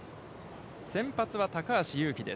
先発は高橋優貴です